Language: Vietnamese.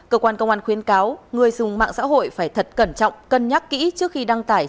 cơ quan công an khuyên cáo người dùng mạng xã hội phải thật cẩn trọng cân nhắc kỹ trước khi đăng tải